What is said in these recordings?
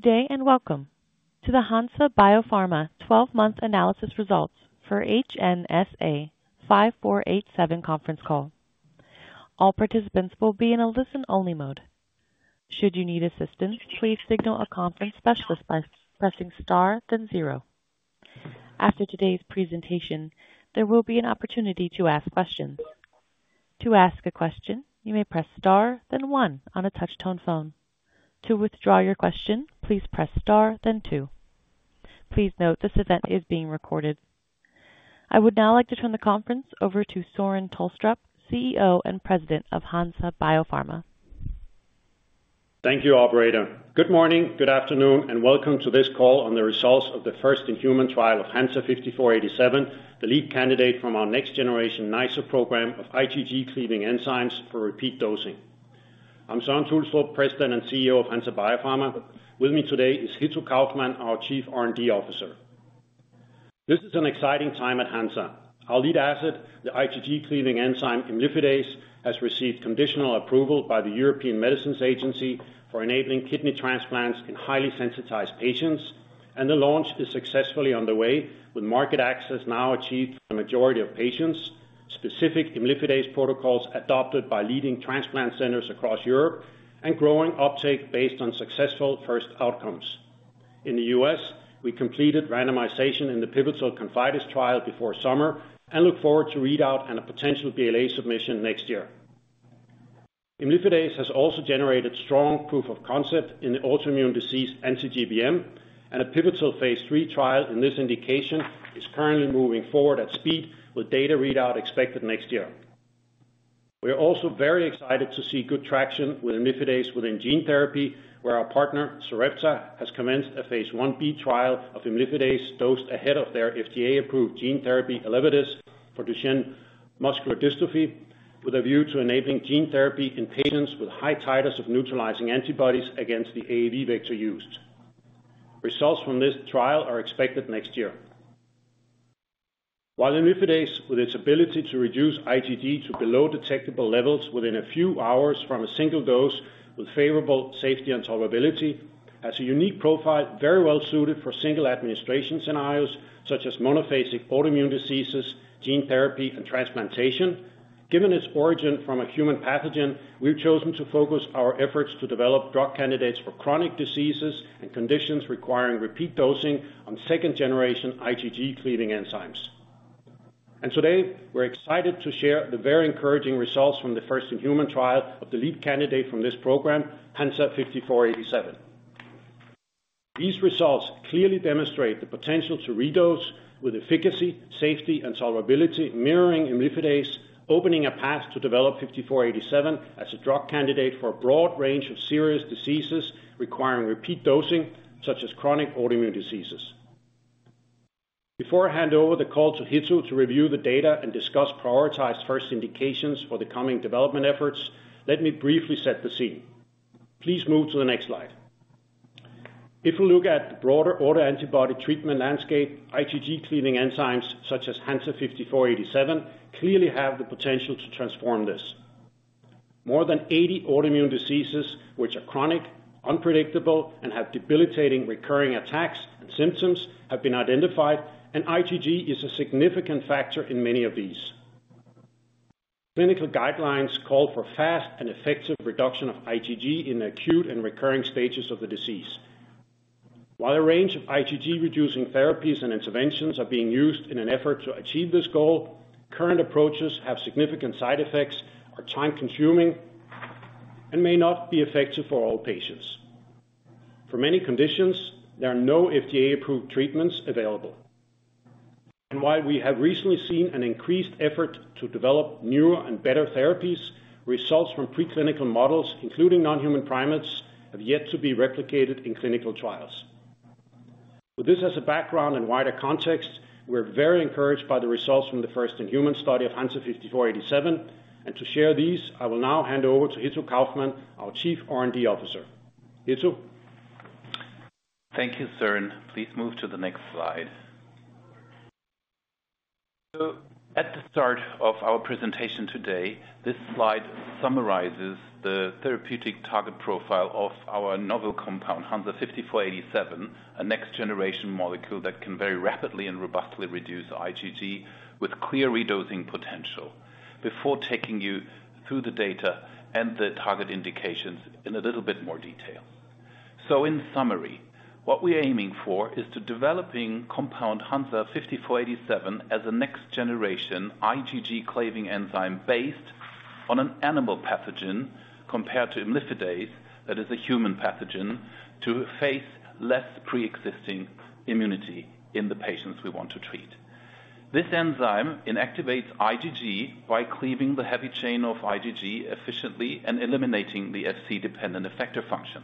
Good day, and welcome to the Hansa Biopharma 12-month analysis results for HNSA-5487 conference call. All participants will be in a listen-only mode. Should you need assistance, please signal a conference specialist by pressing star, then zero. After today's presentation, there will be an opportunity to ask questions. To ask a question, you may press star, then one on a touch-tone phone. To withdraw your question, please press star then two. Please note, this event is being recorded. I would now like to turn the conference over to Søren Tulstrup, CEO and President of Hansa Biopharma. Thank you, operator. Good morning, good afternoon, and welcome to this call on the results of the first in-human trial of HNSA-5487, the lead candidate from our next generation NiceR program of IgG cleaving enzymes for repeat dosing. I'm Søren Tulstrup, President and CEO of Hansa Biopharma. With me today is Hitto Kaufmann, our Chief R&D Officer. This is an exciting time at Hansa. Our lead asset, the IgG cleaving enzyme, imlifidase, has received conditional approval by the European Medicines Agency for enabling kidney transplants in highly sensitized patients, and the launch is successfully underway, with market access now achieved for a majority of patients. Specific imlifidase protocols adopted by leading transplant centers across Europe, and growing uptake based on successful first outcomes. In the US, we completed randomization in the pivotal ConfIdeS trial before summer and look forward to readout and a potential BLA submission next year. Imlifidase has also generated strong proof of concept in the autoimmune disease anti-GBM, and a pivotal phase three trial in this indication is currently moving forward at speed, with data readout expected next year. We are also very excited to see good traction with imlifidase within gene therapy, where our partner, Sarepta, has commenced a Phase 1b trial of imlifidase dosed ahead of their FDA-approved gene therapy, Elevidys, for Duchenne muscular dystrophy, with a view to enabling gene therapy in patients with high titers of neutralizing antibodies against the AAV vector used. Results from this trial are expected next year. While imlifidase, with its ability to reduce IgG to below detectable levels within a few hours from a single dose with favorable safety and tolerability, has a unique profile, very well suited for single administration scenarios such as monophasic autoimmune diseases, gene therapy, and transplantation. Given its origin from a human pathogen, we've chosen to focus our efforts to develop drug candidates for chronic diseases and conditions requiring repeat dosing on second-generation IgG cleaving enzymes. Today, we're excited to share the very encouraging results from the first in-human trial of the lead candidate from this program, HNSA-5487. These results clearly demonstrate the potential to redose with efficacy, safety, and tolerability, mirroring imlifidase, opening a path to develop HNSA-5487 as a drug candidate for a broad range of serious diseases requiring repeat dosing, such as chronic autoimmune diseases. Before I hand over the call to Hitto to review the data and discuss prioritized first indications for the coming development efforts, let me briefly set the scene. Please move to the next slide. If we look at the broader autoantibody treatment landscape, IgG cleaving enzymes such as HNSA-5487 clearly have the potential to transform this. More than 80 autoimmune diseases, which are chronic, unpredictable, and have debilitating recurring attacks and symptoms, have been identified, and IgG is a significant factor in many of these. Clinical guidelines call for fast and effective reduction of IgG in acute and recurring stages of the disease. While a range of IgG-reducing therapies and interventions are being used in an effort to achieve this goal, current approaches have significant side effects, are time-consuming, and may not be effective for all patients. For many conditions, there are no FDA-approved treatments available, and while we have recently seen an increased effort to develop newer and better therapies, results from preclinical models, including non-human primates, have yet to be replicated in clinical trials. With this as a background and wider context, we're very encouraged by the results from the first in-human study of HNSA-5487, and to share these, I will now hand over to Hitto Kaufmann, our Chief R&D Officer. Hitto? Thank you, Søren. Please move to the next slide. So at the start of our presentation today, this slide summarizes the therapeutic target profile of our novel compound, HNSA-5487, a next-generation molecule that can very rapidly and robustly reduce IgG with clear redosing potential, before taking you through the data and the target indications in a little bit more detail. So in summary, what we are aiming for is to developing compound HNSA-5487 as a next-generation IgG cleaving enzyme based on an animal pathogen, compared to imlifidase, that is a human pathogen, to face less pre-existing immunity in the patients we want to treat. This enzyme inactivates IgG by cleaving the heavy chain of IgG efficiently and eliminating the Fc-dependent effector function.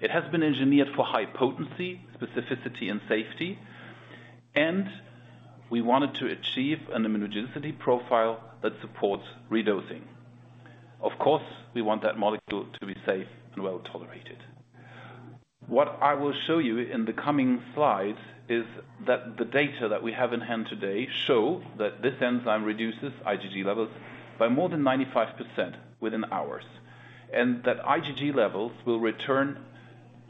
It has been engineered for high potency, specificity, and safety, and we wanted to achieve an immunogenicity profile that supports redosing. Of course, we want that molecule to be safe and well tolerated. What I will show you in the coming slides is that the data that we have in hand today show that this enzyme reduces IgG levels by more than 95% within hours, and that IgG levels will return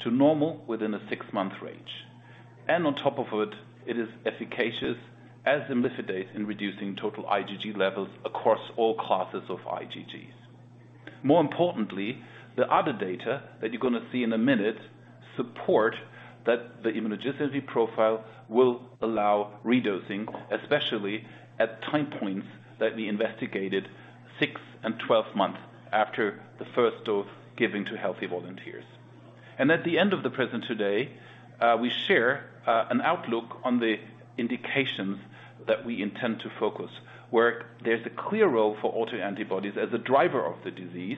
to normal within a six-month range. And on top of it, it is efficacious as imlifidase in reducing total IgG levels across all classes of IgGs. More importantly, the other data that you're going to see in a minute support that the immunogenicity profile will allow redosing, especially at time points that we investigated six and 12 months after the first dose given to healthy volunteers. At the end of the presentation today, we share an outlook on the indications that we intend to focus, where there's a clear role for autoantibodies as a driver of the disease,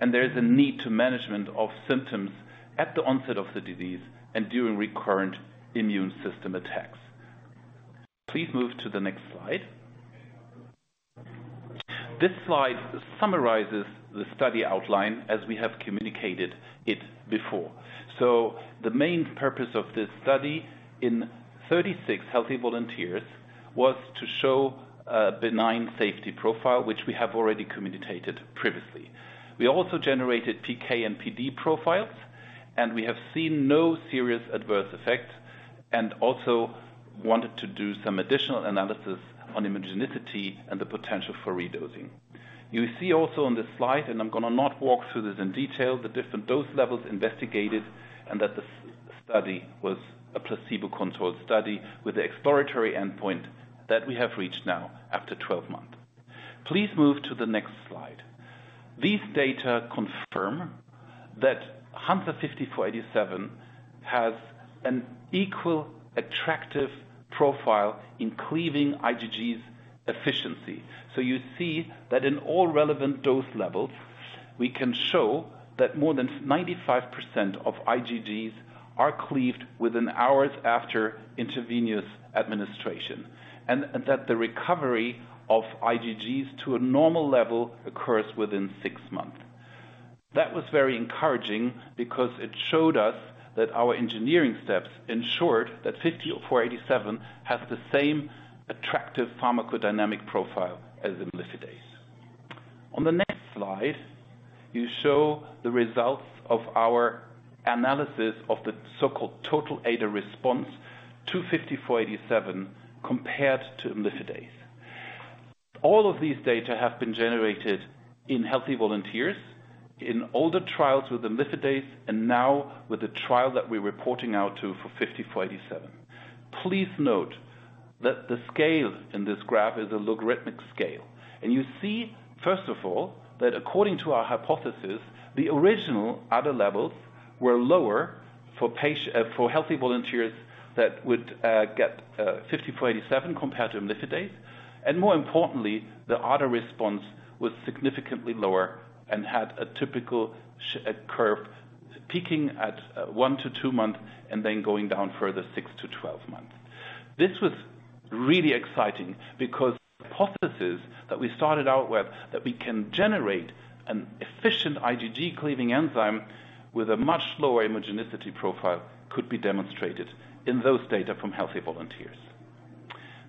and there is a need for management of symptoms at the onset of the disease and during recurrent immune system attacks. Please move to the next slide. This slide summarizes the study outline as we have communicated it before. So the main purpose of this study in 36 healthy volunteers was to show a benign safety profile, which we have already communicated previously. We also generated PK and PD profiles, and we have seen no serious adverse effects, and also wanted to do some additional analysis on immunogenicity and the potential for redosing. You see also on this slide, and I'm going to not walk through this in detail, the different dose levels investigated, and that the study was a placebo-controlled study with the exploratory endpoint that we have reached now after 12 months. Please move to the next slide. These data confirm that HNSA-5487 has an equal attractive profile in cleaving IgGs efficiency. So you see that in all relevant dose levels, we can show that more than 95% of IgGs are cleaved within hours after intravenous administration, and that the recovery of IgGs to a normal level occurs within six months. That was very encouraging because it showed us that our engineering steps ensured that HNSA-5487 has the same attractive pharmacodynamic profile as imlifidase. On the next slide, you show the results of our analysis of the so-called total ADA response to HNSA-5487, compared to imlifidase. All of these data have been generated in healthy volunteers in older trials with imlifidase and now with the trial that we're reporting out today for HNSA-5487. Please note that the scale in this graph is a logarithmic scale, and you see, first of all, that according to our hypothesis, the original ADA levels were lower for healthy volunteers that would get HNSA-5487 compared to imlifidase. And more importantly, the ADA response was significantly lower and had a typical S-shaped curve, peaking at one to two months, and then going down further six to 12 months. This was really exciting because the hypothesis that we started out with, that we can generate an efficient IgG cleaving enzyme with a much lower immunogenicity profile, could be demonstrated in those data from healthy volunteers.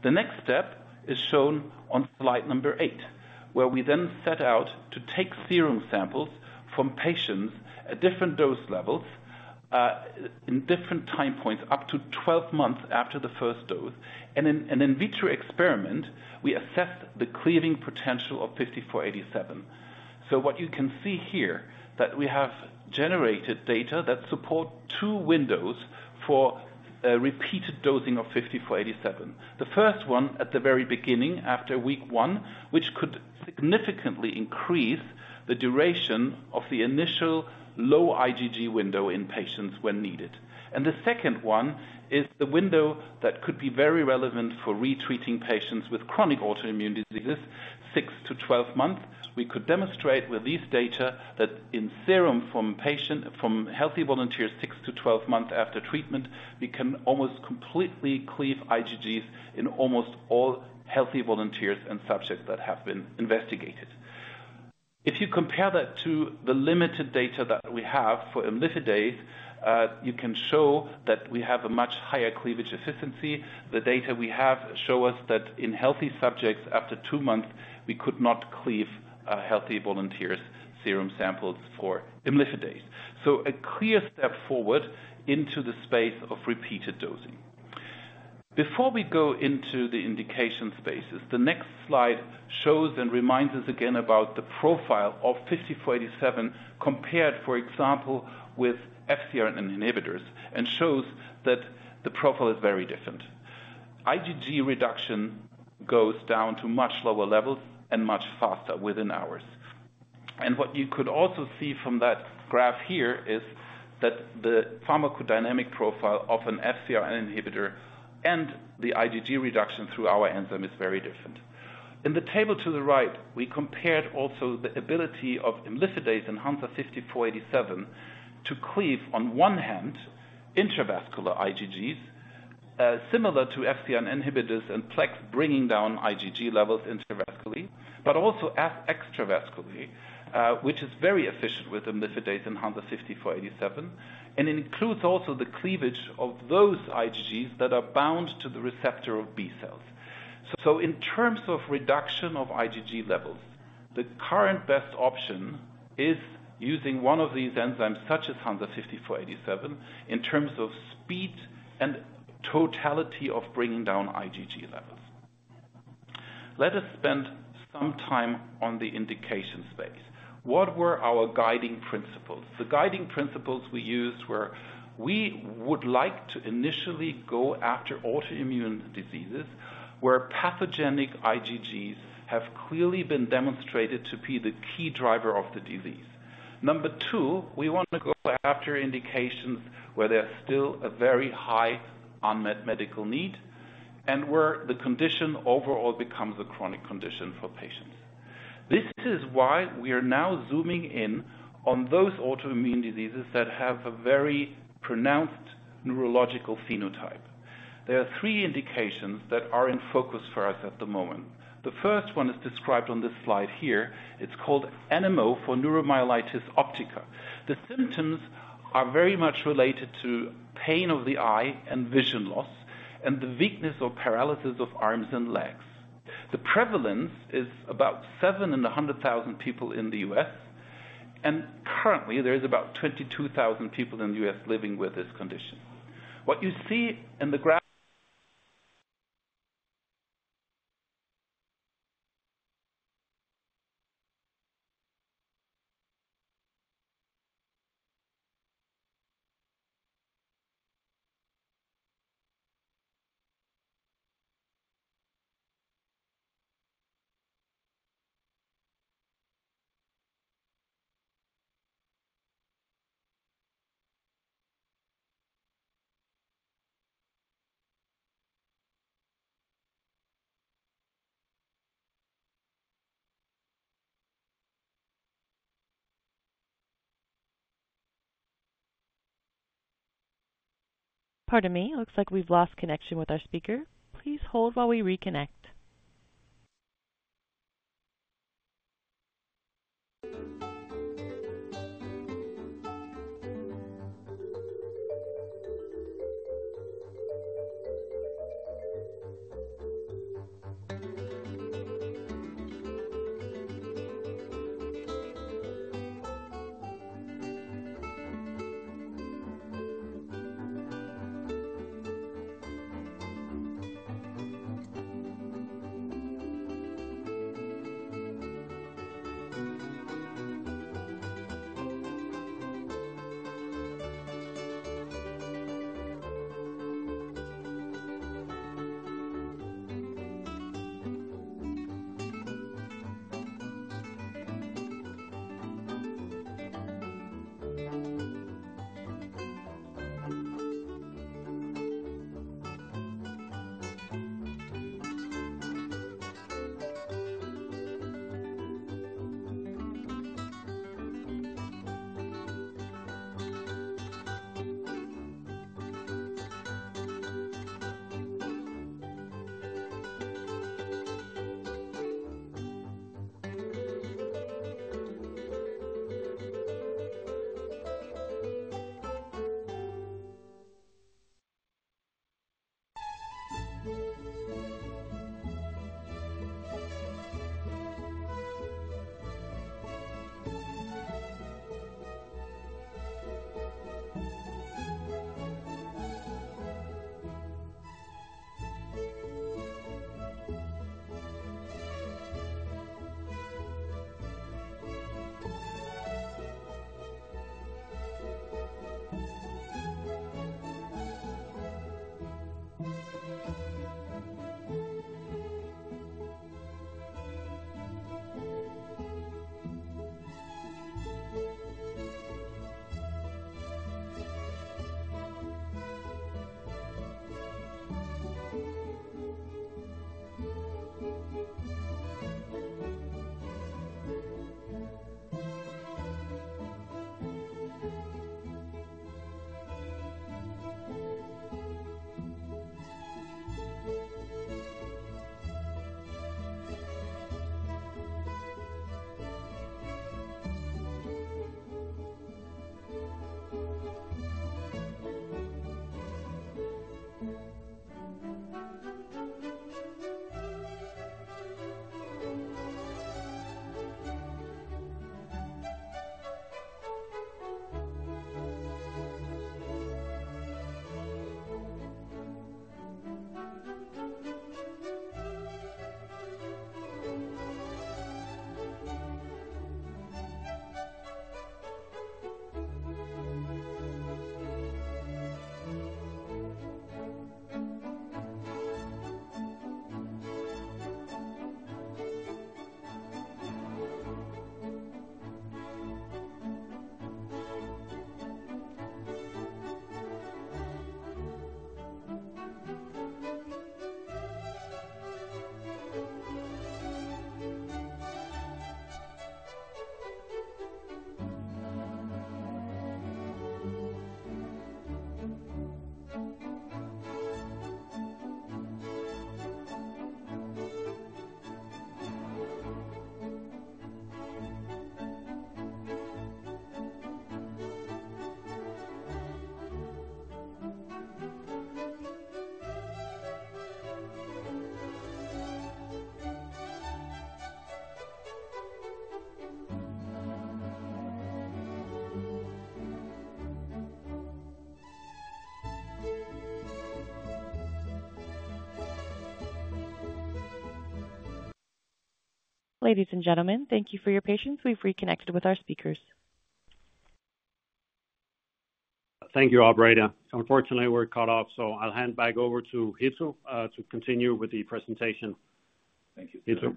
The next step is shown on slide number eight, where we then set out to take serum samples from patients at different dose levels, in different time points, up to 12 months after the first dose, and in an in vitro experiment, we assessed the cleaving potential of HNSA-5487, so what you can see here, that we have generated data that support two windows for repeated dosing of HNSA-5487. The first one, at the very beginning, after week one, which could significantly increase the duration of the initial low IgG window in patients when needed. And the second one is the window that could be very relevant for retreating patients with chronic autoimmune diseases, six to 12 months. We could demonstrate with these data that in serum from patient, from healthy volunteers, six to 12 months after treatment, we can almost completely cleave IgGs in almost all healthy volunteers and subjects that have been investigated. If you compare that to the limited data that we have for imlifidase, you can show that we have a much higher cleavage efficiency. The data we have show us that in healthy subjects, after two months, we could not cleave healthy volunteers' serum samples for imlifidase. So a clear step forward into the space of repeated dosing. Before we go into the indication spaces, the next slide shows and reminds us again about the profile of HNSA-5487 compared, for example, with FcRn inhibitors, and shows that the profile is very different. IgG reduction goes down to much lower levels and much faster, within hours. What you could also see from that graph here is that the pharmacodynamic profile of an FcRn inhibitor and the IgG reduction through our enzyme is very different. In the table to the right, we compared also the ability of imlifidase and HNSA-5487 to cleave, on one hand, intravascular IgGs, similar to FcRn inhibitors and PLEX, bringing down IgG levels intravascularly, but also as extravascularly, which is very efficient with imlifidase and HNSA fifty-four eighty-seven, and includes also the cleavage of those IgGs that are bound to the receptor of B cells. So in terms of reduction of IgG levels, the current best option is using one of these enzymes, such as HNSA-5487, in terms of speed and totality of bringing down IgG levels. Let us spend some time on the indication space. What were our guiding principles? The guiding principles we used were, we would like to initially go after autoimmune diseases, where pathogenic IgGs have clearly been demonstrated to be the key driver of the disease. Number two, we want to go after indications where there's still a very high unmet medical need and where the condition overall becomes a chronic condition for patients. This is why we are now zooming in on those autoimmune diseases that have a very pronounced neurological phenotype. There are three indications that are in focus for us at the moment. The first one is described on this slide here. It's called NMO for neuromyelitis optica. The symptoms are very much related to pain of the eye and vision loss, and the weakness or paralysis of arms and legs. The prevalence is about seven in 100,000 people in the U.S., and currently, there is about 22,000 people in the U.S. living with this condition. What you see in the graph. Pardon me, it looks like we've lost connection with our speaker. Please hold while we reconnect. Ladies and gentlemen, thank you for your patience. We've reconnected with our speakers. Thank you, operator. Unfortunately, we're cut off, so I'll hand back over to Hitto to continue with the presentation. Thank you, Sir.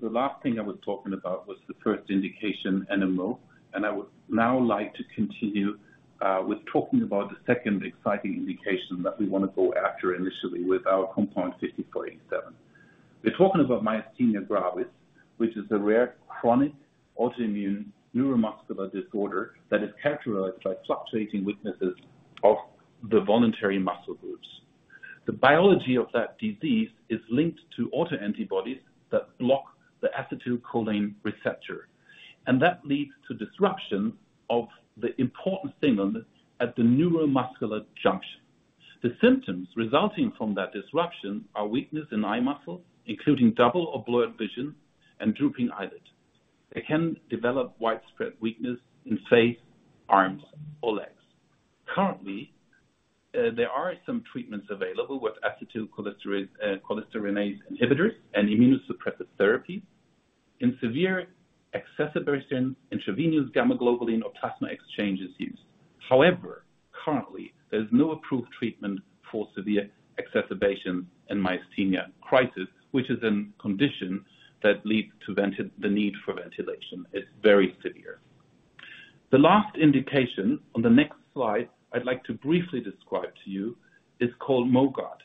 The last thing I was talking about was the first indication, NMO, and I would now like to continue with talking about the second exciting indication that we want to go after initially with our compound HNSA-5487. We're talking about myasthenia gravis, which is a rare chronic autoimmune neuromuscular disorder that is characterized by fluctuating weaknesses of the voluntary muscle groups. The biology of that disease is linked to autoantibodies that block the acetylcholine receptor, and that leads to disruption of the important signals at the neuromuscular junction. The symptoms resulting from that disruption are weakness in eye muscles, including double or blurred vision and drooping eyelids. They can develop widespread weakness in face, arms, or legs. Currently, there are some treatments available with acetylcholinesterase inhibitors and immunosuppressive therapy. In severe exacerbation, intravenous gamma globulin or plasma exchange is used. However, currently, there is no approved treatment for severe exacerbations in myasthenic crisis, which is a condition that leads to the need for ventilation. It's very severe. The last indication on the next slide I'd like to briefly describe to you is called MOGAD.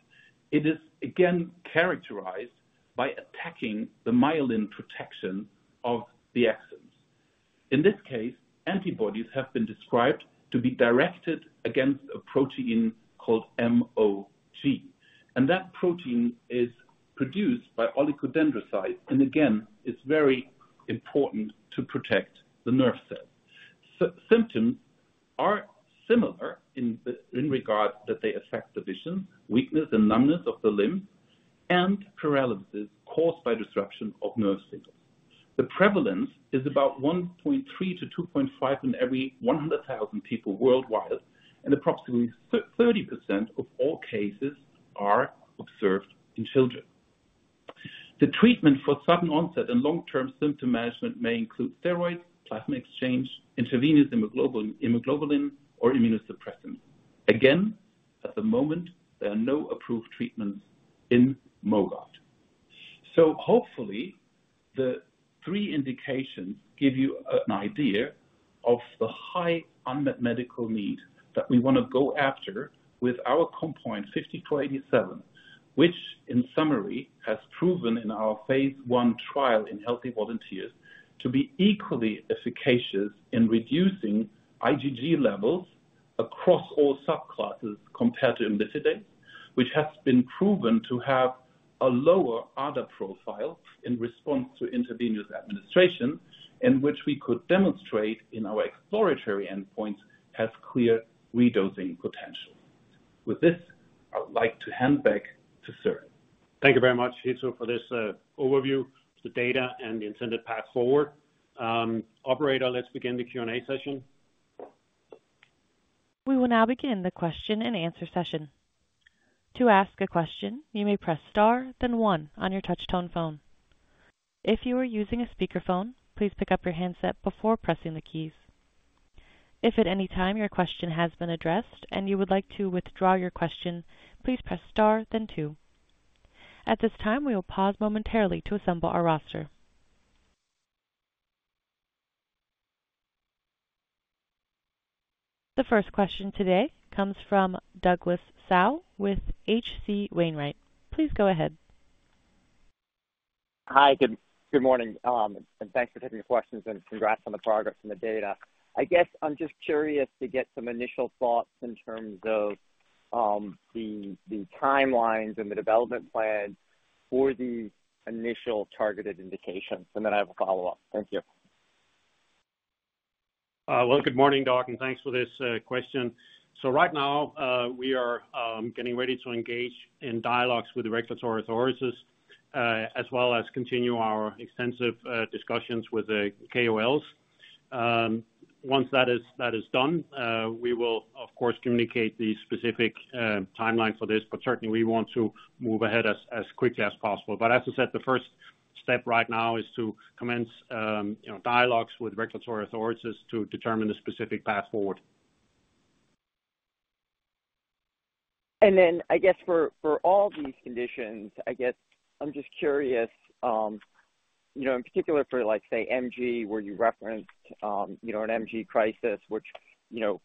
It is again characterized by attacking the myelin protection of the axons. In this case, antibodies have been described to be directed against a protein called MOG, and that protein is produced by oligodendrocytes, and again, it's very important to protect the nerve cells. Symptoms are similar in that regard that they affect the vision, weakness and numbness of the limbs, and paralysis caused by disruption of nerve signals. The prevalence is about 1.3-2.5 in every 100,000 people worldwide, and approximately 30% of all cases are observed in children. The treatment for sudden onset and long-term symptom management may include steroids, plasma exchange, intravenous immunoglobulin, immunoglobulin, or immunosuppressants. Again, at the moment, there are no approved treatments in MOGAD. So hopefully, the three indications give you an idea of the high unmet medical need that we want to go after with our compound HNSA-5487, which in summary, has proven in our phase I trial in healthy volunteers to be equally efficacious in reducing IgG levels across all subclasses compared to imlifidase, which has been proven to have a lower ADA profile in response to intravenous administration, and which we could demonstrate in our exploratory endpoints, has clear redosing potential. With this, I would like to hand back to Søren. Thank you very much, Hitto, for this overview, the data, and the intended path forward. Operator, let's begin the Q&A session. We will now begin the question-and-answer session. To ask a question, you may press Star, then one on your touch tone phone. If you are using a speakerphone, please pick up your handset before pressing the keys. If at any time your question has been addressed and you would like to withdraw your question, please press Star then two. At this time, we will pause momentarily to assemble our roster. The first question today comes from Douglas Tsao with H.C. Wainwright. Please go ahead. Hi, good morning, and thanks for taking the questions and congrats on the progress and the data. I guess I'm just curious to get some initial thoughts in terms of the timelines and the development plans for the initial targeted indications, and then I have a follow-up. Thank you. Good morning, Doc, and thanks for this question. Right now, we are getting ready to engage in dialogues with the regulatory authorities, as well as continue our extensive discussions with the KOLs. Once that is done, we will of course communicate the specific timeline for this, but certainly we want to move ahead as quickly as possible. As I said, the first step right now is to commence, you know, dialogues with regulatory authorities to determine the specific path forward. And then I guess for all these conditions, I guess I'm just curious, you know, in particular for like, say, MG, where you referenced, you know, an MG crisis, which, you know,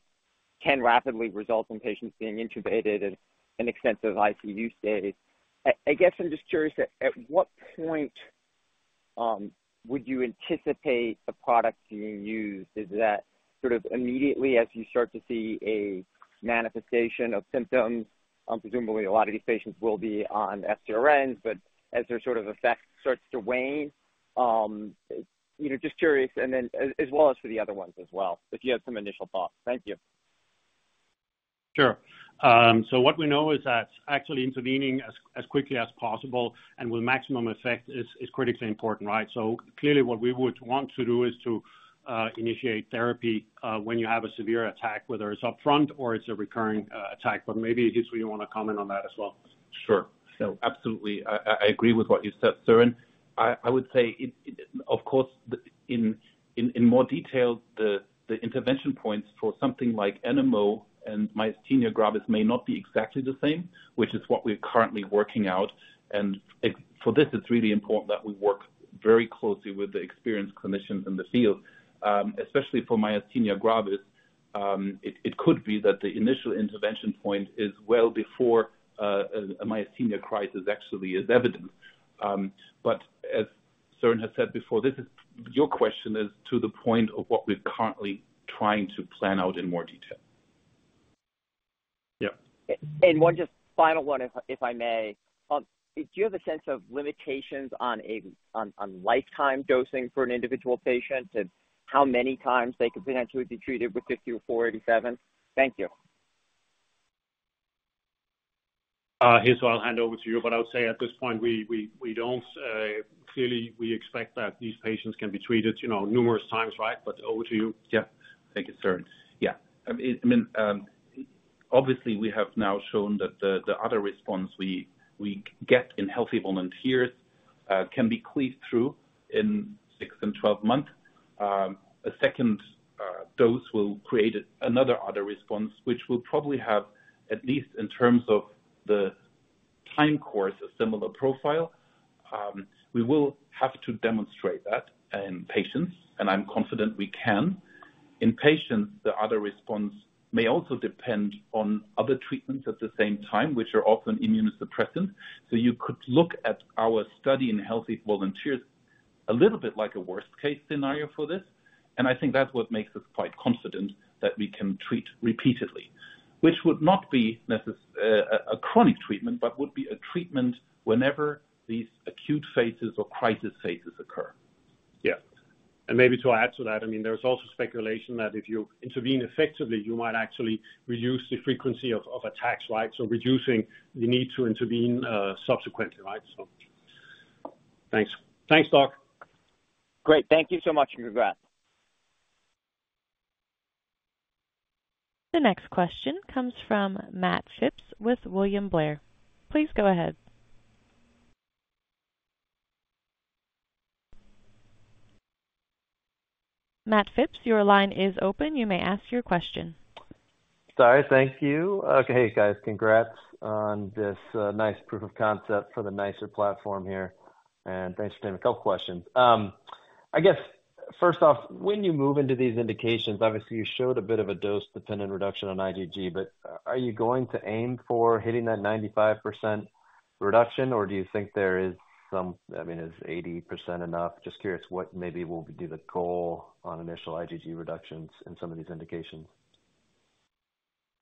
can rapidly result in patients being intubated and an extensive ICU stay. I guess I'm just curious, at what point would you anticipate the product being used? Is that sort of immediately as you start to see a manifestation of symptoms? Presumably, a lot of these patients will be on FcRns, but as their sort of effect starts to wane? You know, just curious, and then as well as for the other ones as well, if you have some initial thoughts. Thank you. Sure. So what we know is that actually intervening as quickly as possible and with maximum effect is critically important, right? So clearly, what we would want to do is to initiate therapy when you have a severe attack, whether it's upfront or it's a recurring attack. But maybe, Hitto, you want to comment on that as well? Sure. So absolutely, I agree with what you said, Søren. I would say it, of course, in more detail, the intervention points for something like NMO and myasthenia gravis may not be exactly the same, which is what we are currently working out. And for this, it is really important that we work very closely with the experienced clinicians in the field, especially for myasthenia gravis. It could be that the initial intervention point is well before a myasthenia crisis actually is evident. But as Søren has said before, this is your question to the point of what we are currently trying to plan out in more detail. Yeah. Just one final one, if I may. Do you have a sense of limitations on lifetime dosing for an individual patient, and how many times they could potentially be treated with HNSA-5487? Thank you. Hitto, I'll hand over to you, but I would say at this point, we don't clearly expect that these patients can be treated, you know, numerous times, right? But over to you. Yeah. Thank you, Søren. Yeah. I mean, obviously, we have now shown that the ADA response we get in healthy volunteers can be cleared through in six and 12 months. A second dose will create another ADA response, which will probably have, at least in terms of the time course, a similar profile. We will have to demonstrate that in patients, and I'm confident we can. In patients, the ADA response may also depend on other treatments at the same time, which are often immunosuppressant. So you could look at our study in healthy volunteers a little bit like a worst-case scenario for this, and I think that's what makes us quite confident that we can treat repeatedly. Which would not necessarily be a chronic treatment, but would be a treatment whenever these acute phases or crisis phases occur. Yeah. And maybe to add to that, I mean, there's also speculation that if you intervene effectively, you might actually reduce the frequency of attacks, right? So reducing the need to intervene subsequently, right, so. Thanks. Thanks, doc. Great. Thank you so much, and congrats. The next question comes from Matt Phipps with William Blair. Please go ahead. Matt Phipps, your line is open. You may ask your question. Sorry. Thank you. Okay, hey, guys, congrats on this, nice proof of concept for the NiceR platform here, and thanks for taking a couple questions. I guess, first off, when you move into these indications, obviously, you showed a bit of a dose-dependent reduction on IgG, but are you going to aim for hitting that 95% reduction, or do you think there is some... I mean, is 80% enough? Just curious, what maybe will be the goal on initial IgG reductions in some of these indications?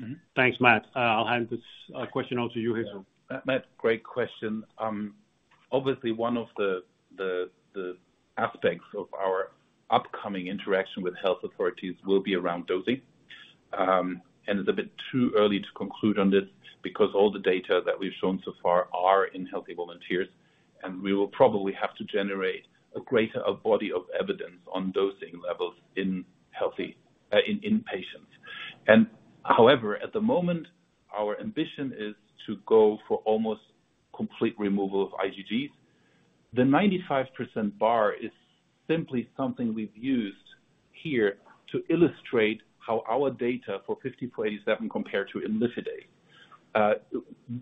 Mm-hmm. Thanks, Matt. I'll hand this question over to you, Hitto. Matt, great question. Obviously one of the aspects of our upcoming interaction with health authorities will be around dosing. It's a bit too early to conclude on this because all the data that we've shown so far are in healthy volunteers, and we will probably have to generate a greater body of evidence on dosing levels in patients. However, at the moment, our ambition is to go for almost complete removal of IgGs. The 95% bar is simply something we've used here to illustrate how our data for HNSA-5487 compared to imlifidase.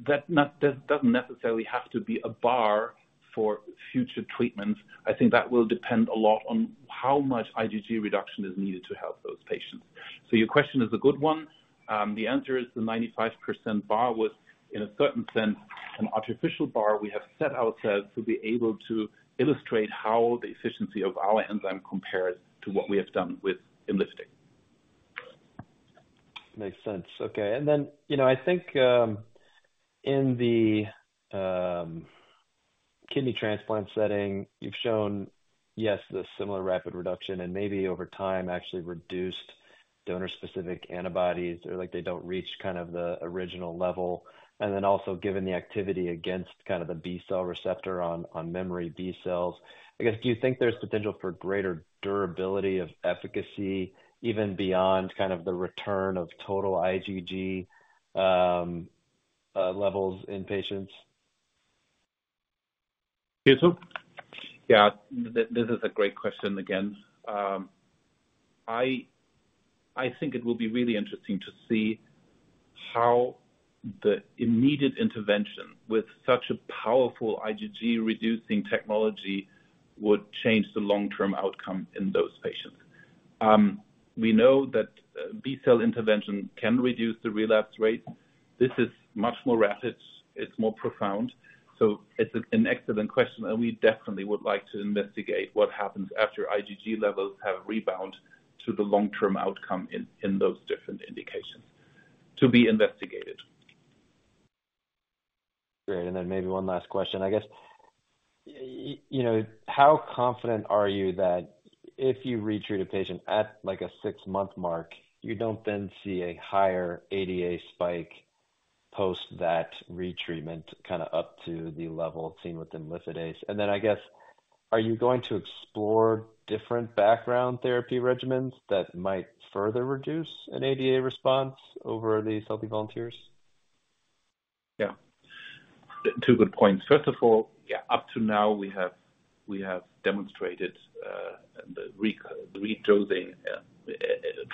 That doesn't necessarily have to be a bar for future treatments. I think that will depend a lot on how much IgG reduction is needed to help those patients, so your question is a good one. The answer is the 95% bar was, in a certain sense, an artificial bar we have set ourselves to be able to illustrate how the efficiency of our enzyme compares to what we have done with imlifidase. Makes sense. Okay. And then, you know, I think, in the kidney transplant setting, you've shown, yes, the similar rapid reduction and maybe over time, actually reduced donor-specific antibodies or, like, they don't reach kind of the original level. And then also given the activity against kind of the B cell receptor on memory B cells, I guess, do you think there's potential for greater durability of efficacy, even beyond kind of the return of total IgG levels in patients? Hitto. Yeah, this is a great question again. I think it will be really interesting to see how the immediate intervention with such a powerful IgG-reducing technology would change the long-term outcome in those patients. We know that B cell intervention can reduce the relapse rate. This is much more rapid, it's more profound. So it's an excellent question, and we definitely would like to investigate what happens after IgG levels have rebound to the long-term outcome in those different indications. To be investigated. ... Great, and then maybe one last question, I guess. You know, how confident are you that if you re-treat a patient at, like, a six-month mark, you don't then see a higher ADA spike post that retreatment, kind of up to the level seen with imlifidase? And then I guess, are you going to explore different background therapy regimens that might further reduce an ADA response over the healthy volunteers? Yeah. Two good points. First of all, yeah, up to now, we have demonstrated the redosing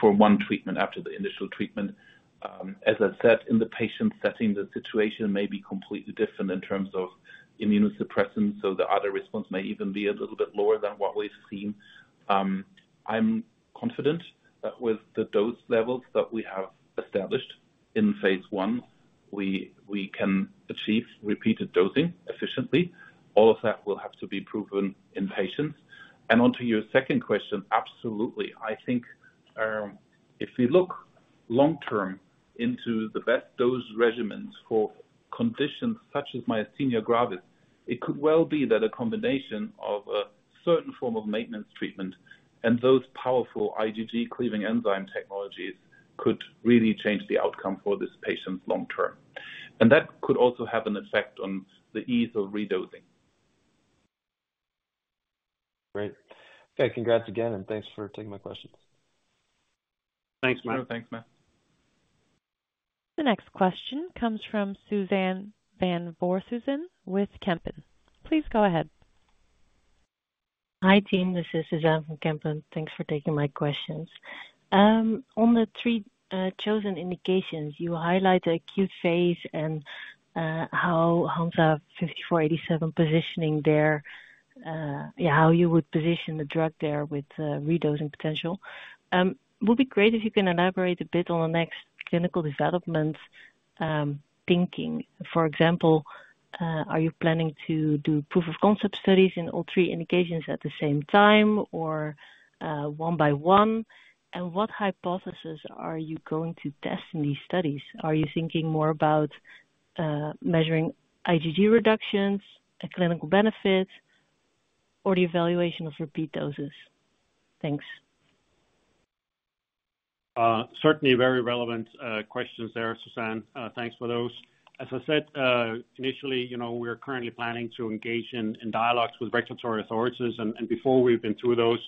for one treatment after the initial treatment. As I said, in the patient setting, the situation may be completely different in terms of immunosuppression, so the ADA response may even be a little bit lower than what we've seen. I'm confident that with the dose levels that we have established in phase I, we can achieve repeated dosing efficiently. All of that will have to be proven in patients, and onto your second question, absolutely. I think, if we look long-term into the best dose regimens for conditions such as myasthenia gravis, it could well be that a combination of a certain form of maintenance treatment and those powerful IgG-cleaving enzyme technologies could really change the outcome for this patient long term. That could also have an effect on the ease of redosing. Great. Okay, congrats again, and thanks for taking my questions. Thanks, Matt. No, thanks, Matt. The next question comes from Suzanne van Voorthuizen with Kempen. Please go ahead. Hi, team, this is Suzanne from Kempen. Thanks for taking my questions. On the three chosen indications, you highlight the acute phase and how HNSA-5487 positioning there, how you would position the drug there with redosing potential. Would be great if you can elaborate a bit on the next clinical development thinking. For example, are you planning to do proof of concept studies in all three indications at the same time, or one by one? And what hypothesis are you going to test in these studies? Are you thinking more about measuring IgG reductions, the clinical benefits, or the evaluation of repeat doses? Thanks. Certainly very relevant questions there, Suzanne. Thanks for those. As I said, initially, you know, we are currently planning to engage in dialogues with regulatory authorities, and before we've been through those,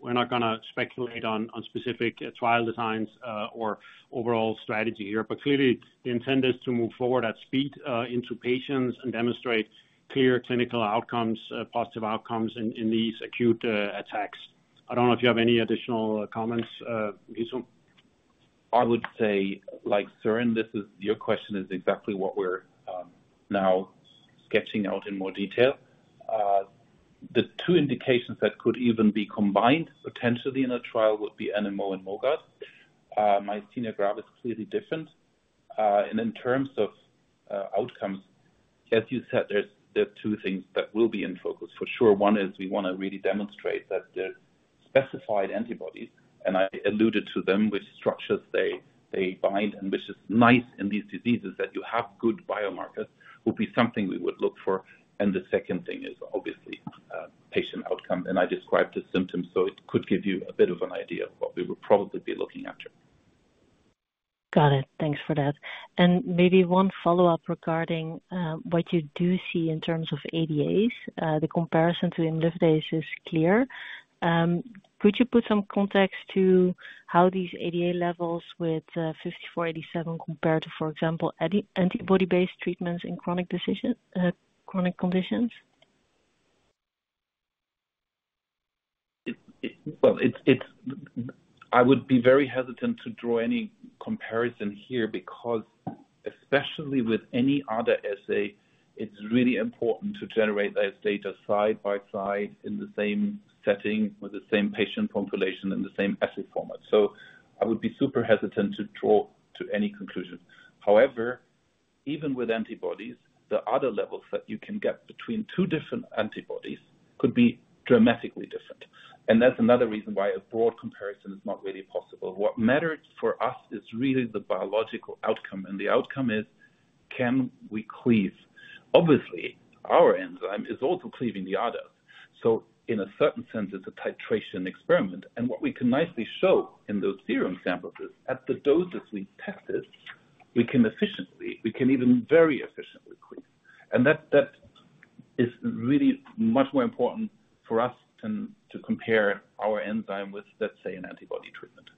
we're not going to speculate on specific trial designs or overall strategy here. But clearly, the intent is to move forward at speed into patients and demonstrate clear clinical outcomes, positive outcomes in these acute attacks. I don't know if you have any additional comments, Hitto? I would say, like, Suzanne, this is your question is exactly what we're now sketching out in more detail. The two indications that could even be combined potentially in a trial would be NMO and MOGAD. Myasthenia gravis is clearly different. And in terms of outcomes, as you said, there's, there are two things that will be in focus. For sure, one is we want to really demonstrate that the specified antibodies, and I alluded to them, which structures they, they bind, and which is nice in these diseases, that you have good biomarkers, will be something we would look for. And the second thing is obviously patient outcome, and I described the symptoms, so it could give you a bit of an idea of what we would probably be looking at here. Got it. Thanks for that. And maybe one follow-up regarding what you do see in terms of ADAs. The comparison to imlifidase is clear. Could you put some context to how these ADA levels with HNSA-5487 compare to, for example, anti-antibody-based treatments in chronic indications, chronic conditions? I would be very hesitant to draw any comparison here, because especially with any other assay, it's really important to generate this data side by side in the same setting, with the same patient population and the same assay format. So I would be super hesitant to draw any conclusion. However, even with antibodies, the ADA levels that you can get between two different antibodies could be dramatically different. And that's another reason why a broad comparison is not really possible. What matters for us is really the biological outcome, and the outcome is: Can we cleave? Obviously, our enzyme is also cleaving the ADA, so in a certain sense, it's a titration experiment. And what we can nicely show in those serum samples is, at the doses we tested, we can efficiently, we can even very efficiently cleave. That is really much more important for us than to compare our enzyme with, let's say, an antibody treatment.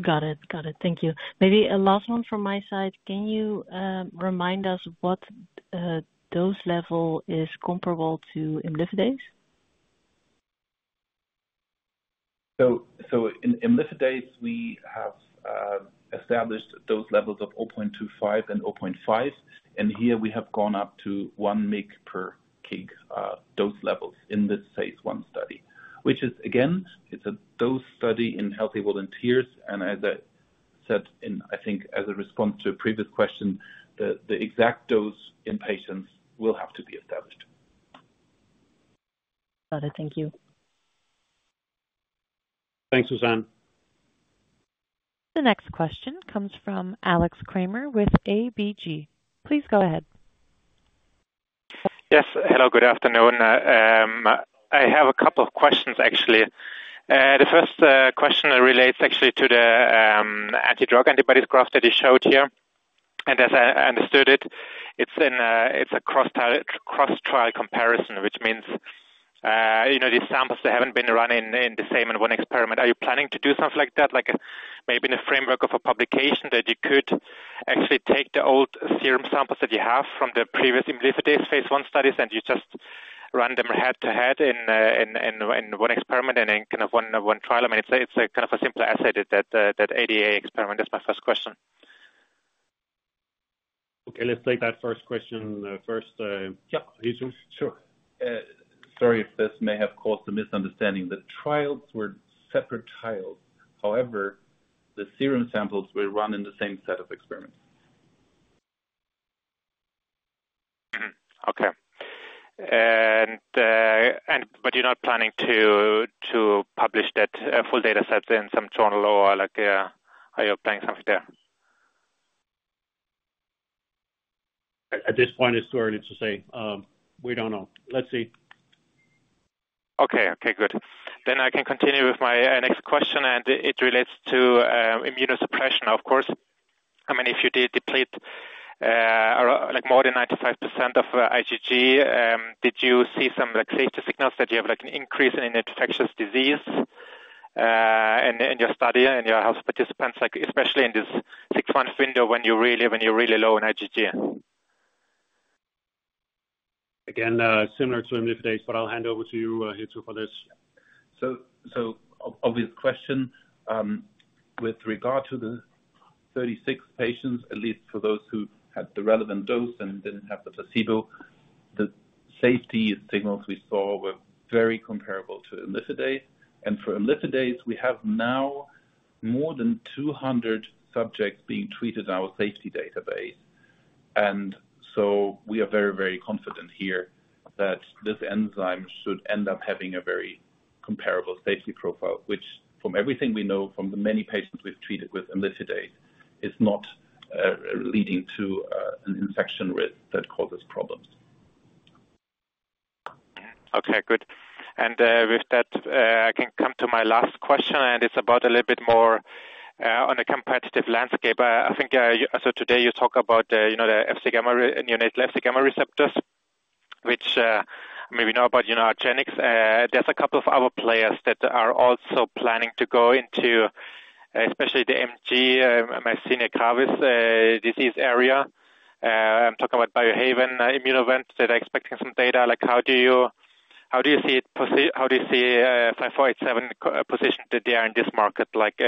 Got it. Got it. Thank you. Maybe a last one from my side: Can you remind us what dose level is comparable to imlifidase? In imlifidase, we have established those levels of 0.25 and 0.5, and here we have gone up to one mg per kg dose levels in this phase I study. Which is, again, it's a dose study in healthy volunteers, and as I said in, I think, as a response to a previous question, the exact dose in patients will have to be established. Got it. Thank you.... Thanks, Suzanne. The next question comes from Aksel Engebakken with ABG. Please go ahead. Yes. Hello, good afternoon. I have a couple of questions, actually. The first question relates actually to the anti-drug antibodies cross study showed here, and as I understood it, it's a cross trial comparison, which means, you know, these samples, they haven't been run in the same experiment. Are you planning to do something like that? Like, maybe in the framework of a publication, that you could actually take the old serum samples that you have from the previous imlifidase phase I studies, and you just run them head-to-head in one experiment and in kind of one trial? I mean, it's kind of a simpler assay, that ADA experiment. That's my first question. Okay, let's take that first question first. Yeah, Hitto. Sure. Sorry if this may have caused a misunderstanding. The trials were separate trials. However, the serum samples were run in the same set of experiments. Okay. But you're not planning to publish that full data set in some journal or like, are you planning something there? At this point, it's too early to say. We don't know. Let's see. Okay. Okay, good. Then I can continue with my next question, and it relates to immunosuppression, of course. I mean, if you did deplete like more than 95% of IgG, did you see some like safety signals that you have like an increase in infectious disease in your study, in your healthy participants, like especially in this six-month window, when you're really low in IgG? Again, similar to imlifidase, but I'll hand over to you, Hitto, for this. Obvious question. With regard to the 36 patients, at least for those who had the relevant dose and didn't have the placebo, the safety signals we saw were very comparable to imlifidase. For imlifidase, we have now more than 200 subjects being treated in our safety database. We are very, very confident here that this enzyme should end up having a very comparable safety profile, which from everything we know, from the many patients we've treated with imlifidase, is not leading to an infection risk that causes problems. Okay, good. With that, I can come to my last question, and it's about a little bit more on a competitive landscape. I think, so today you talk about, you know, the FcRn, which maybe we know about, you know, argenx. There's a couple of other players that are also planning to go into, especially the MG, myasthenia gravis, disease area. I'm talking about Biohaven, Immunovant, they're expecting some data, like, how do you see HNSA-5487 position that they are in this market? Like,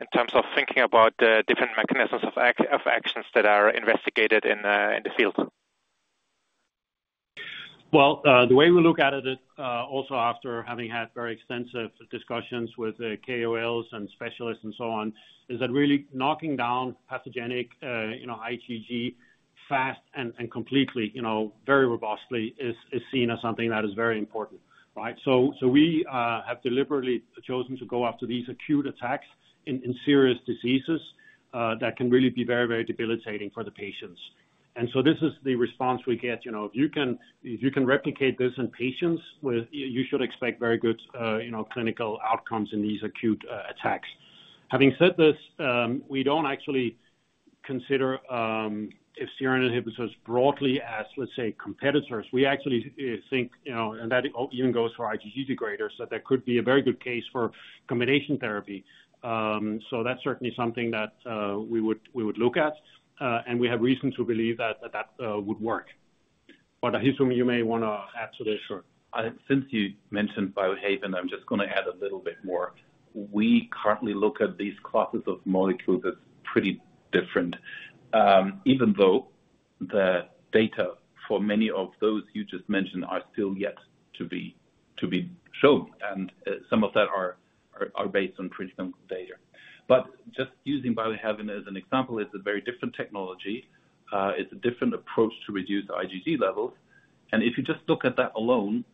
in terms of thinking about the different mechanisms of actions that are investigated in the field. The way we look at it is, also after having had very extensive discussions with KOLs and specialists and so on, is that really knocking down pathogenic, you know, IgG fast and completely, you know, very robustly, is seen as something that is very important, right? So we have deliberately chosen to go after these acute attacks in serious diseases that can really be very, very debilitating for the patients. And so this is the response we get. You know, if you can replicate this in patients with... you should expect very good, you know, clinical outcomes in these acute attacks. Having said this, we don't actually consider imlifidase as broadly as, let's say, competitors. We actually think, you know, and that even goes for IgG degraders, that there could be a very good case for combination therapy. So that's certainly something that we would look at, and we have reason to believe that would work. But Hitto, you may wanna add to this. Sure. Since you mentioned Biohaven, I'm just gonna add a little bit more. We currently look at these classes of molecules as pretty different, even though the data for many of those you just mentioned are still yet to be shown, and some of that are based on pre-clinical data. but just using Biohaven as an example, it's a very different technology. It's a different approach to reduce IgG levels. and if you just look at that alone,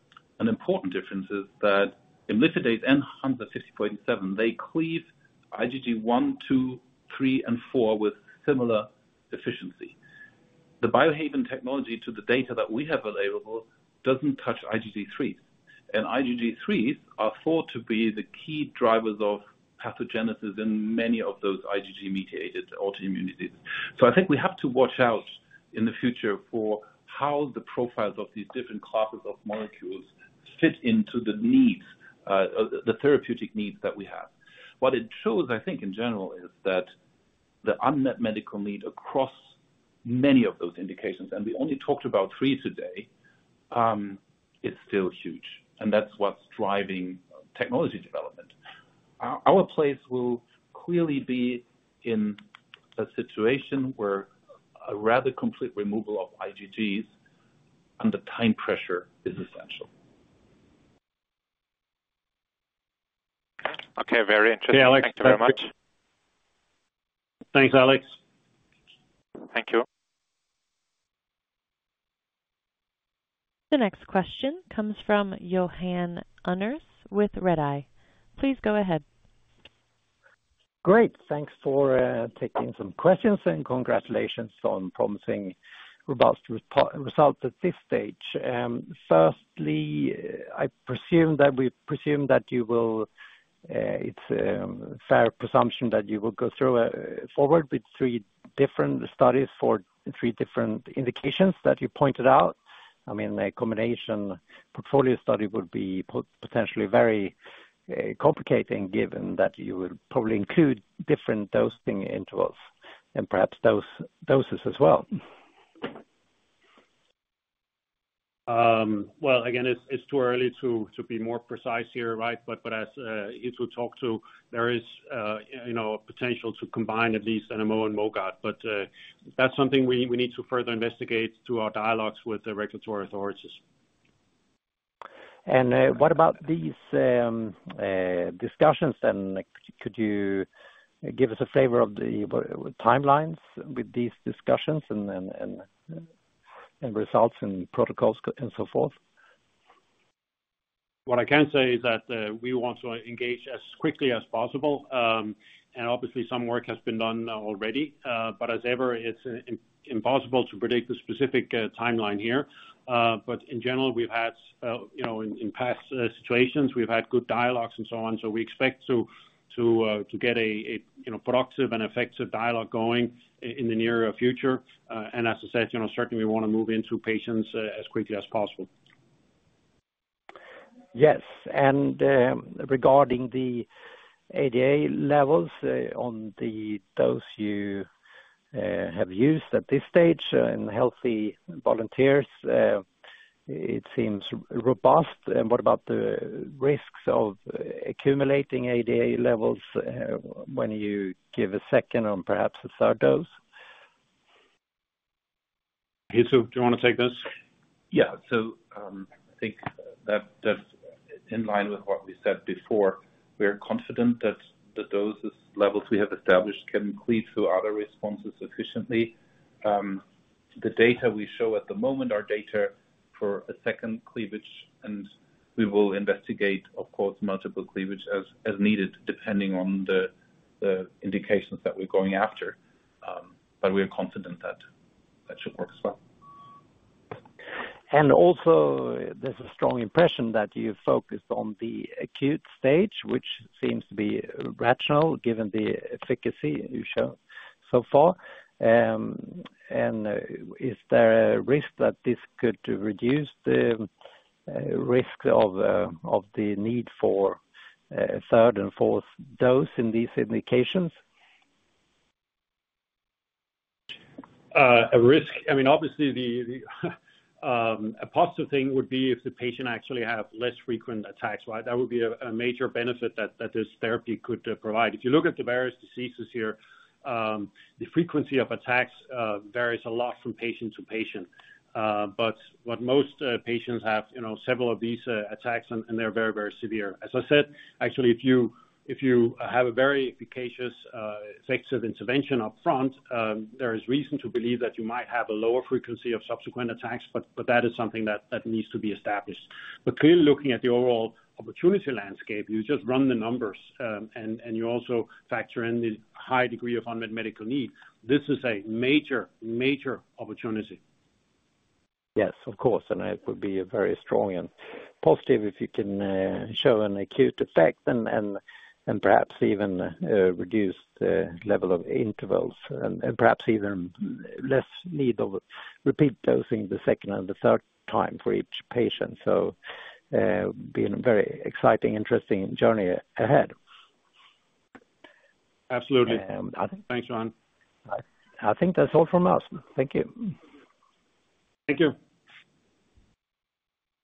an important difference is that imlifidase and HNSA-5487, they cleave IgG one, two, three, and four with similar efficiency. The Biohaven technology, to the data that we have available, doesn't touch IgG3. and IgG3 are thought to be the key drivers of pathogenesis in many of those IgG-mediated autoimmunities. So I think we have to watch out in the future for how the profiles of these different classes of molecules fit into the needs, the therapeutic needs that we have. What it shows, I think, in general, is that the unmet medical need across many of those indications, and we only talked about three today, is still huge, and that's what's driving technology development. Our place will clearly be in a situation where a rather complete removal of IgGs under time pressure is essential. Okay, very interesting. Yeah, Alex.Thank you very much. Thanks, Alex. Thank you. The next question comes from Johan Unnérus' with Redeye. Please go ahead. Great. Thanks for taking some questions, and congratulations on promising robust results at this stage. Firstly, I presume that you will. It's a fair presumption that you will go forward with three different studies for three different indications that you pointed out. I mean, a combination portfolio study would be potentially very complicating, given that you would probably include different dosing intervals and perhaps doses as well. Again, it's too early to be more precise here, right? But as Hitto talked about, there is you know potential to combine at least NMO and MOGAD, but that's something we need to further investigate through our dialogues with the regulatory authorities. What about these discussions, then? Could you give us a flavor of the timelines with these discussions and results and protocols and so forth? What I can say is that we want to engage as quickly as possible. Obviously some work has been done already, but as ever, it's impossible to predict the specific timeline here. But in general, we've had you know in past situations, we've had good dialogues and so on. So we expect to get a you know productive and effective dialogue going in the near future. As I said, you know, certainly we want to move into patients as quickly as possible. Yes, and regarding the ADA levels, on the dose you have used at this stage in healthy volunteers, it seems robust. And what about the risks of accumulating ADA levels, when you give a second or perhaps a third dose? Hitto, do you want to take this? Yeah. So, I think that that's in line with what we said before. We are confident that the dose levels we have established can cleave to other responses efficiently. The data we show at the moment are data for a second cleavage, and we will investigate, of course, multiple cleavage as needed, depending on the indications that we're going after. But we are confident that that should work as well. Also, there's a strong impression that you focused on the acute stage, which seems to be rational, given the efficacy you've shown so far. Is there a risk that this could reduce the risk of the need for a third and fourth dose in these indications? A risk? I mean, obviously, a positive thing would be if the patient actually have less frequent attacks, right? That would be a major benefit that this therapy could provide. If you look at the various diseases here, the frequency of attacks varies a lot from patient to patient, but what most patients have, you know, several of these attacks, and they're very, very severe. As I said, actually, if you have a very efficacious, effective intervention up front, there is reason to believe that you might have a lower frequency of subsequent attacks, but that is something that needs to be established, but clearly, looking at the overall opportunity landscape, you just run the numbers, and you also factor in the high degree of unmet medical needs. This is a major, major opportunity. Yes, of course, and it would be a very strong and positive if you can show an acute effect and perhaps even reduce the level of intervals and perhaps even less need of repeat dosing the second and the third time for each patient. So, being a very exciting, interesting journey ahead. Absolutely. I think. Thanks, Johan. I think that's all from us. Thank you. Thank you.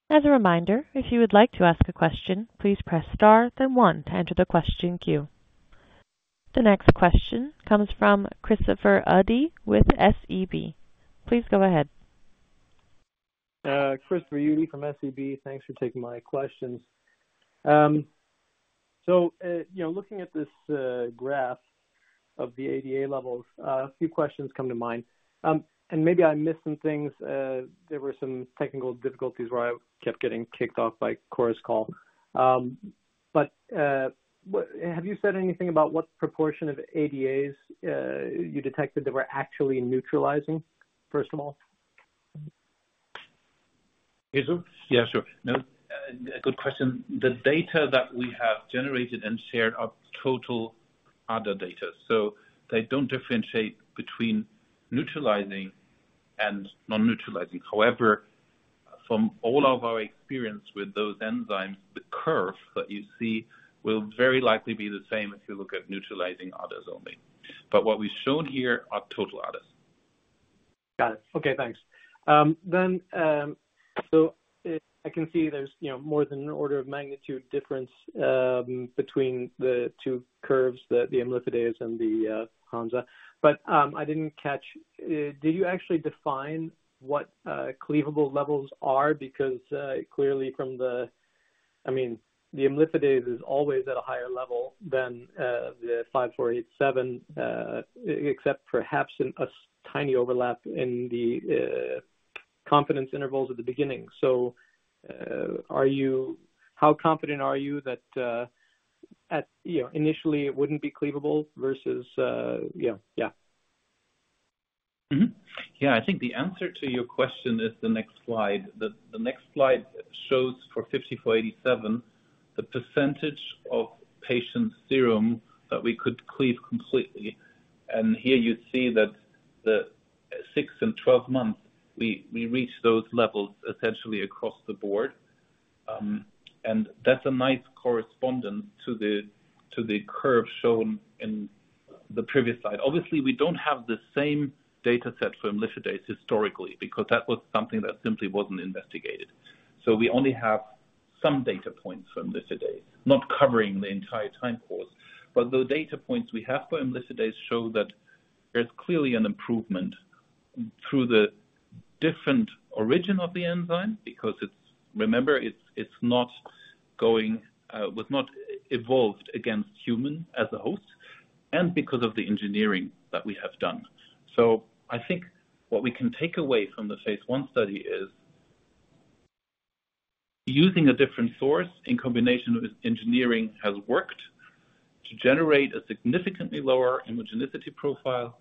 As a reminder, if you would like to ask a question, please press star then one to enter the question queue. The next question comes from Christopher Uhde with SEB. Please go ahead. Christopher Uhde from SEB, thanks for taking my questions. So, you know, looking at this graph of the ADA levels, a few questions come to mind. Maybe I missed some things. There were some technical difficulties where I kept getting kicked off by Chorus Call. But, have you said anything about what proportion of ADAs you detected that were actually neutralizing, first of all? Yeah, sure. No, a good question. The data that we have generated and shared are total ADA data, so they don't differentiate between neutralizing and non-neutralizing. However, from all of our experience with those enzymes, the curve that you see will very likely be the same if you look at neutralizing ADAs only. But what we've shown here are total ADAs. Got it. Okay, thanks. Then, so I can see there's, you know, more than an order of magnitude difference between the two curves, the imlifidase and the Hansa. But I didn't catch, did you actually define what cleavable levels are? Because clearly from the, I mean, the imlifidase is always at a higher level than the HNSA-5487, except perhaps in a tiny overlap in the confidence intervals at the beginning. So, are you, how confident are you that at, you know, initially it wouldn't be cleavable versus yeah, yeah. Yeah, I think the answer to your question is the next slide. The next slide shows for HNSA-5487, the percentage of patient serum that we could cleave completely. And here you see that the six and 12 month, we reach those levels essentially across the board. And that's a nice correspondence to the curve shown in the previous slide. Obviously, we don't have the same data set for imlifidase historically, because that was something that simply wasn't investigated. So we only have some data points for imlifidase, not covering the entire time course. But the data points we have for imlifidase show that there's clearly an improvement through the different origin of the enzyme, because it's... Remember, it's not going, was not evolved against human as a host and because of the engineering that we have done. So I think what we can take away from the phase I study is, using a different source in combination with engineering has worked to generate a significantly lower immunogenicity profile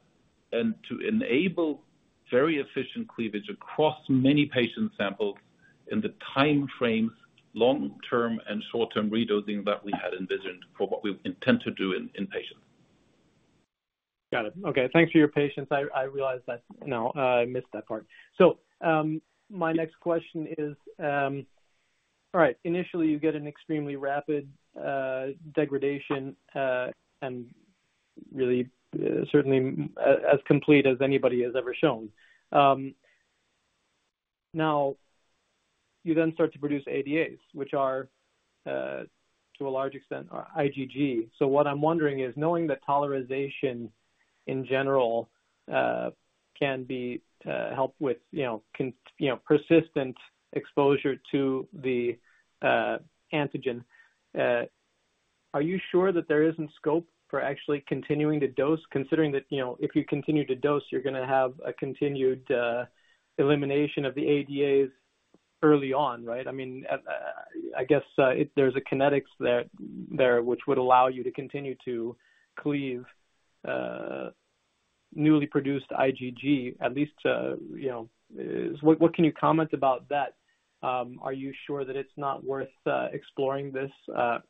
and to enable very efficient cleavage across many patient samples in the time frames, long-term and short-term redosing that we had envisioned for what we intend to do in patients. Got it. Okay, thanks for your patience. I realize that, you know, I missed that part. So, my next question is, initially, you get an extremely rapid degradation, and really, certainly, as complete as anybody has ever shown. Now, you then start to produce ADAs, which are, to a large extent, IgG. So what I'm wondering is, knowing that tolerization, in general, can be helped with, you know, persistent exposure to the antigen, are you sure that there isn't scope for actually continuing to dose, considering that, you know, if you continue to dose, you're gonna have a continued elimination of the ADAs early on, right? I mean, I guess, if there's a kinetics which would allow you to continue to cleave newly produced IgG, at least, you know. What can you comment about that? Are you sure that it's not worth exploring this,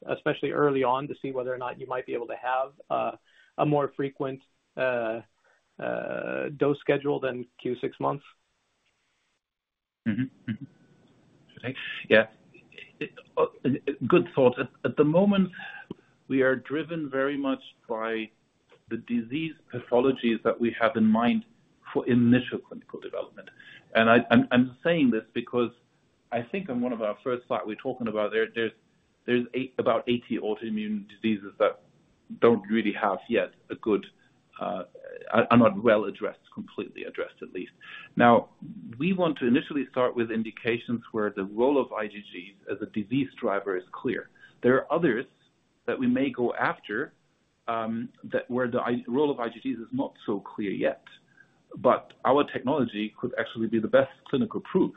especially early on, to see whether or not you might be able to have a more frequent dose schedule than Q 6 months? Good thought. At the moment, we are driven very much by the disease pathologies that we have in mind for initial clinical development. And I'm saying this because I think on one of our first slide, we're talking about there's about eighty autoimmune diseases that don't really have yet a good, are not well addressed, completely addressed, at least. Now, we want to initially start with indications where the role of IgG as a disease driver is clear. There are others that we may go after, that where the role of IgGs is not so clear yet. But our technology could actually be the best clinical proof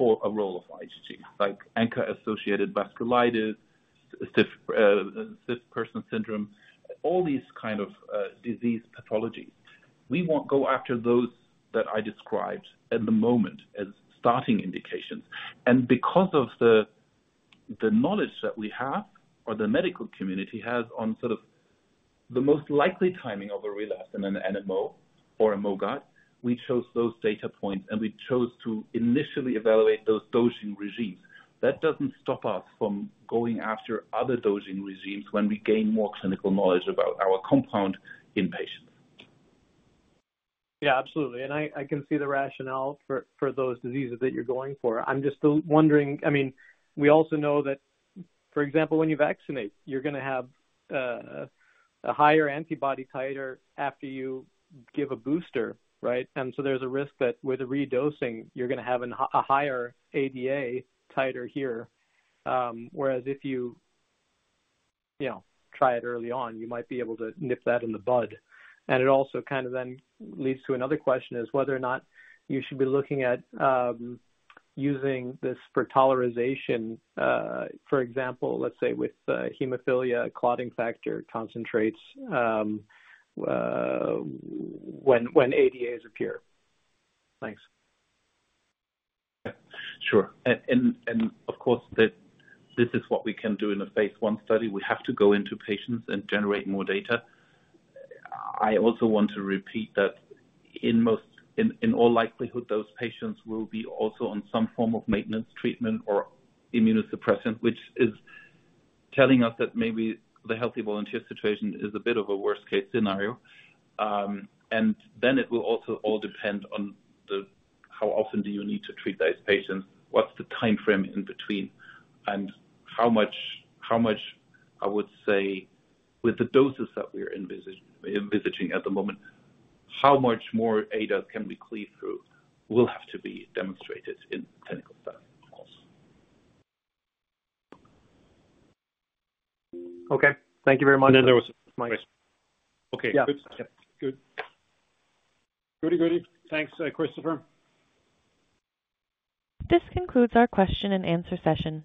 for a role of IgG, like ANCA-associated vasculitis, Sjögren's syndrome, all these kind of disease pathologies. We won't go after those that I described at the moment as starting indications, and because of the knowledge that we have or the medical community has on sort of the most likely timing of a relapse in an NMO or a MOGAD, we chose those data points, and we chose to initially evaluate those dosing regimes. That doesn't stop us from going after other dosing regimes when we gain more clinical knowledge about our compound in patients. Yeah, absolutely. And I can see the rationale for those diseases that you're going for. I'm just still wondering, I mean, we also know that, for example, when you vaccinate, you're gonna have a higher antibody titer after you give a booster, right? And so there's a risk that with a redosing, you're gonna have a higher ADA titer here. Whereas if you, you know, try it early on, you might be able to nip that in the bud. And it also kind of then leads to another question, is whether or not you should be looking at using this for tolerization, for example, let's say with hemophilia, clotting factor concentrates, when ADAs appear. Thanks. Yeah, sure. And of course, this is what we can do in a phase I study. We have to go into patients and generate more data. I also want to repeat that in all likelihood, those patients will be also on some form of maintenance treatment or immunosuppressant, which is telling us that maybe the healthy volunteer situation is a bit of a worst-case scenario. And then it will also all depend on how often do you need to treat those patients? What's the timeframe in between? And how much, I would say, with the doses that we are envisaging at the moment, how much more ADA can be cleaved through, will have to be demonstrated in clinical trials, of course. Okay. Thank you very much. And then there was Mike. Okay. Yeah. Oops. Yeah. Good. Good, good. Thanks, Christopher. This concludes our question and answer session.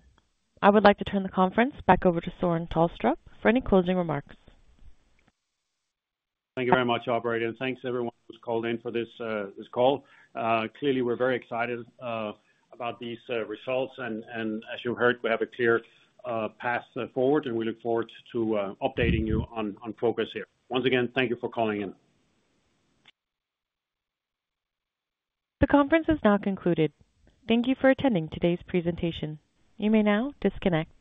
I would like to turn the conference back over to Søren Tulstrup for any closing remarks. Thank you very much, operator. And thanks, everyone, who's called in for this call. Clearly, we're very excited about these results. And as you heard, we have a clear path forward, and we look forward to updating you on progress here. Once again, thank you for calling in. The conference is now concluded. Thank you for attending today's presentation. You may now disconnect.